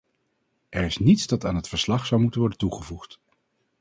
Er is niets dat aan het verslag zou moeten worden toegevoegd.